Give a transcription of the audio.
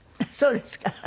そうですか？